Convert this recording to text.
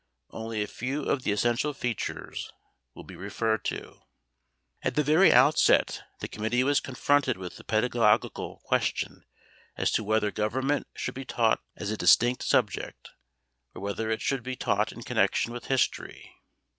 Only a few of the essential features will be referred to. At the very outset the committee was confronted with the pedagogical question as to whether Government should be taught as a distinct subject or whether it should be taught in connection with history.